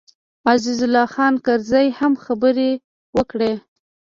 عزیز الله خان کرزي هم خبرې وکړې.